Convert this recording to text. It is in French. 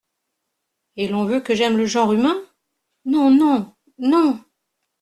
Et l’on veut que j’aime le genre humain… non ! non !… non !…